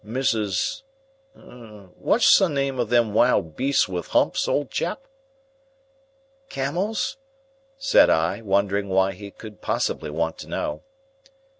—what's the name of them wild beasts with humps, old chap?" "Camels?" said I, wondering why he could possibly want to know.